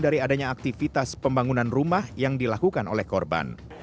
dari adanya aktivitas pembangunan rumah yang dilakukan oleh korban